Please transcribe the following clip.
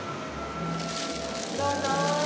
どうぞー。